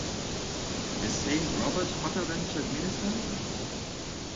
is Saint Robert hotter than Turkmenistan